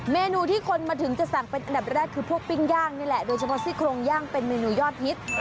เมนูที่คนมาถึงจะสั่งเป็นอันดับแรกคือพวกปิ้งย่างนี่แหละโดยเฉพาะซี่โครงย่างเป็นเมนูยอดฮิต